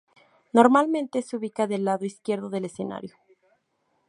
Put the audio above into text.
Normalmente se ubica del lado izquierdo del escenario.